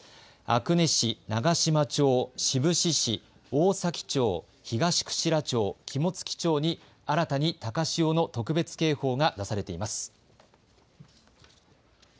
阿久根市、長島町、志布志市、大崎町、東串良町、肝付町に新たに高潮の特別警報が出されています。